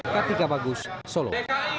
ketika bagus solo